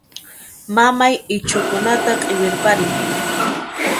Mamay ichhukunata q'iwirparin.